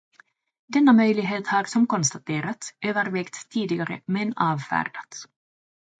Denna möjlighet har, som konstaterats, övervägts tidigare men avfärdats.